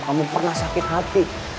kamu pernah sakit hati